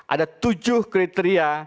ada tujuh kriteria